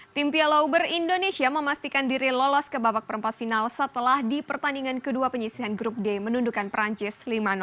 tim piala uber indonesia memastikan diri lolos ke babak perempat final setelah di pertandingan kedua penyisihan grup d menundukan perancis lima